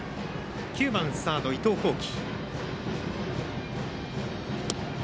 ９番サード、伊藤光輝。